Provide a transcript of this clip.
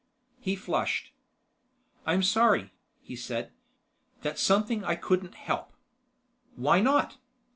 He flushed. "I'm sorry," he said. "That's something I couldn't help." "Why not?"